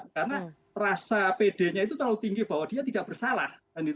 karena rasa pedenya itu terlalu tinggi bahwa dia tidak bersalah